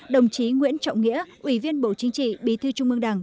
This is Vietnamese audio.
đồng chí nguyễn trọng nghĩa ủy viên bộ chính trị bí thư trung ương đảng